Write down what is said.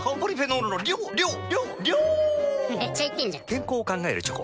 健康を考えるチョコ。